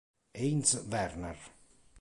Heinz Werner